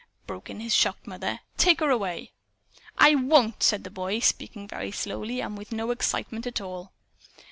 broke in his shocked mother. "Take her away." "I won't," said the boy, speaking very slowly, and with no excitement at all.